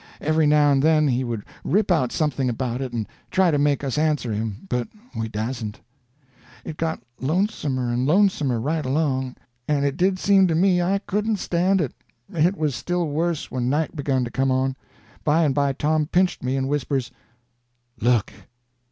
Every now and then he would rip out something about it, and try to make us answer him, but we dasn't. It got lonesomer and lonesomer right along, and it did seem to me I couldn't stand it. It was still worse when night begun to come on. By and by Tom pinched me and whispers: "Look!"